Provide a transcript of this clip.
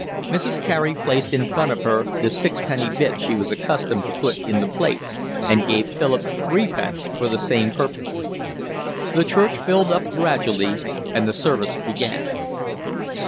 Mrs. Carey placed in front of her the sixpenny bit she was accustomed to put in the plate, and gave Philip threepence for the same purpose. The church filled up gradually and the service began.